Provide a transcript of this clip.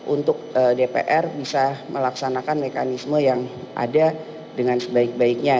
untuk dpr bisa melaksanakan mekanisme yang ada dengan sebaik baiknya